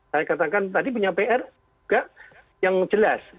saya katakan tadi punya pr juga yang jelas